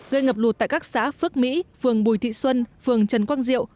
gây ngập lụt tại các xã phước mỹ phường bùi thị xuân phường trần quang diệu